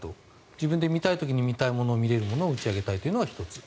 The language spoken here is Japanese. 自分が見たい時に見れるものを打ち上げたいというのが１つ。